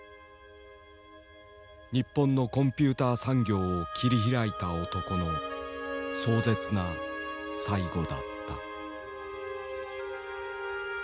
日本のコンピューター産業を切り開いた男の壮絶な最期だった。